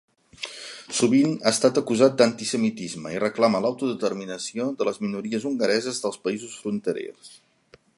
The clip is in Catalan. Sovint ha estat acusat d'antisemitisme i reclama l'autodeterminació de les minories hongareses dels països fronterers.